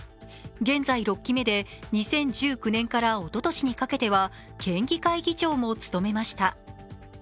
現在６期目で、２０１９年からおととしにかけては県議会議長も務めました。